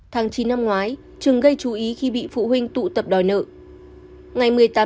tháng chín năm ngoái trường gây chú ý khi bị phụ huynh tụ tập đòi nợ